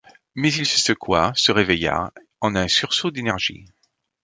Mais il se secoua, se réveilla, en un sursaut d’énergie.